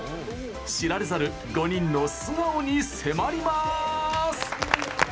知られざる５人の素顔に迫ります。